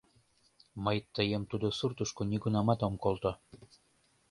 Мый тыйым тудо суртышко нигунамат ом колто.